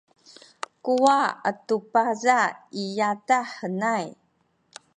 kuwa’ atu paza’ i yadah henay